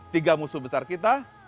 tiga musuh besar kita